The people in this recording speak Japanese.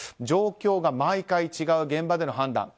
状況が毎回違う現場での判断